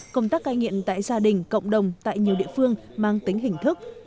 công tác cai nghiện tại gia đình cộng đồng tại nhiều địa phương mang tính hình thức